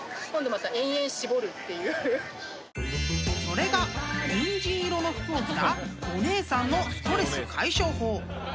［それがニンジン色の服を着たお姉さんのストレス解消法］